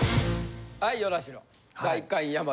はい與那城。